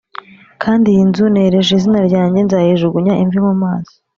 kandi iyi nzu nereje izina ryanjye nzayijugunya imve mu maso